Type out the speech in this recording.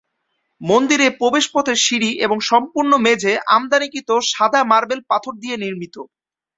মন্দিরে প্রবেশপথের সিঁড়ি এবং সম্পূর্ণ মেঝে আমদানিকৃত সাদা মার্বেল পাথর দিয়ে নির্মিত।